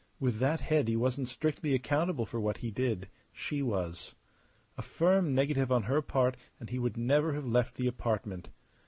With that head he wasn't strictly accountable for what he did; she was. A firm negative on her part and he would never have left the apartment.